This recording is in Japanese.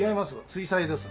水彩です。